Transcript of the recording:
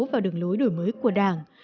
và đường lối đổi mới của đảng